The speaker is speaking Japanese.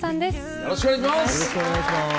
よろしくお願いします。